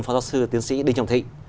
phó giáo sư tiến sĩ đinh trọng thị